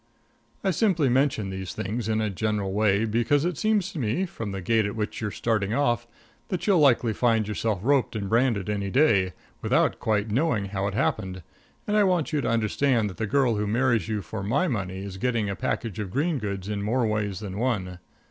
I simply mention these things in a general way, because it seems to me, from the gait at which you're starting off, that you'll likely find yourself roped and branded any day, without quite knowing how it happened, and I want you to understand that the girl who marries you for my money is getting a package of green goods in more ways than one.